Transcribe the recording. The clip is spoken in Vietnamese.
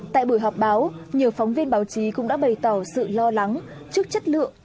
tại buổi họp báo nhiều phóng viên báo chí cũng đã bày tỏ sự lo lắng trước chất lượng